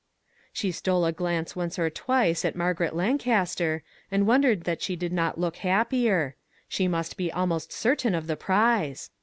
She stole a glance once or twice at Margaret Lan caster, and wondered that she did not ijok happier; she must be almost certain of the prize.